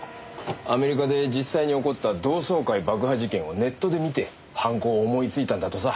アメリカで実際に起こった同窓会爆破事件をネットで見て犯行を思いついたんだとさ。